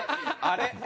あれ？